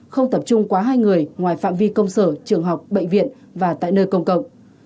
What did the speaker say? không tập trung quá hai người ngoài phạm vi công sở trường học bệnh viện và tại nơi công cộng